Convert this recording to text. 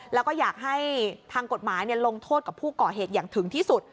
แล้วก็อยากให้ทางกฎหมายลงโทษกับผู้ก่อเหตุอย่างถึงที่สุด